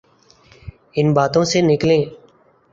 ان باتوں سے نکلیں۔